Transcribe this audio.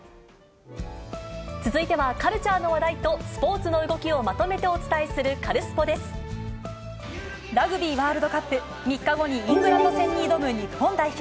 続いては、カルチャーの話題とスポーツの動きをまとめてお伝えするカルスポラグビーワールドカップ、３日後にイングランド戦に挑む日本代表。